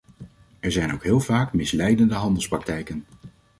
Er zijn ook heel vaak misleidende handelspraktijken.